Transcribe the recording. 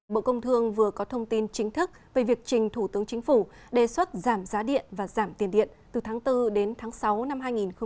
bộ công thương vừa có thông tin chính thức về việc trình thủ tướng chính phủ đề xuất giảm giá điện và giảm tiền điện từ tháng bốn đến tháng sáu năm hai nghìn hai mươi